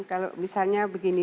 kalau misalnya begini